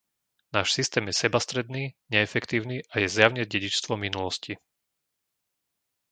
Náš systém je sebastredný, neefektívny a je zjavne dedičstvom minulosti.